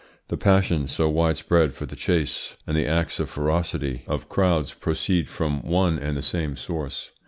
The passion, so widespread, for the chase and the acts of ferocity of crowds proceed from one and the same source.